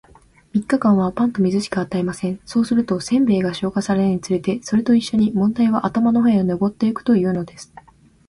三日間は、パンと水しか与えません。そうすると、煎餅が消化されるにつれて、それと一しょに問題は頭の方へ上ってゆくというのです。